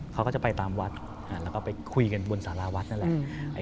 เขาก็จะไปตามวัดแล้วก็ไปคุยกันบนสาราวัดนั่นแหละ